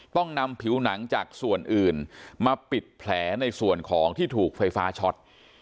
ต้องนำผิวหนังจากส่วนอื่นมาปิดแผลในส่วนของที่ถูกไฟฟ้าช็อต